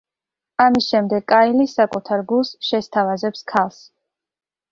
ამის შემდეგ კაილი საკუთარ გულს შესთავაზებს ქალს.